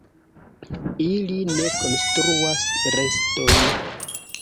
Ili ne konstruas nestojn.